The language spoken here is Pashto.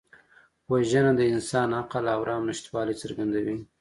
وژنه د انساني عقل او رحم نشتوالی څرګندوي